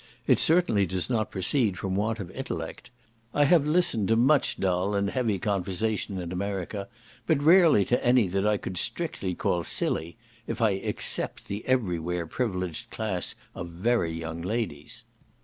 It certainly does not proceed from want of intellect. I have listened to much dull and heavy conversation in America, but rarely to any that I could strictly call silly, (if I except the every where privileged class of very young ladies).